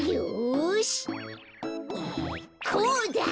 こうだ！